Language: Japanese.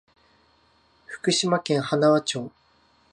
福島県塙町